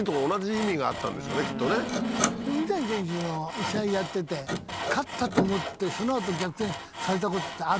水谷選手試合やってて勝ったと思ってその後逆転されたことってある？